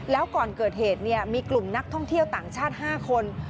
แล้วก่อนเกิดเหตุมีกลุ่มนักท่องเที่ยวต่างชาติ๕คน